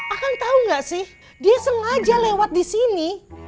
akang tau nggak sih dia sengaja lewat di sini